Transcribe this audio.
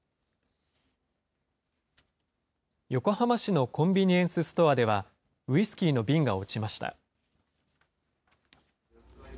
横浜市のコンビニエンスストアでは、ウイスキーの瓶が落ちました。